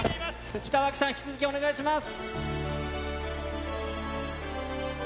北脇さん、引き続きお願いします。